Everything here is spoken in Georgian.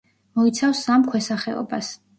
მოიცავს სამ ქვესახეობას.